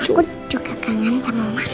aku juga kangen sama oma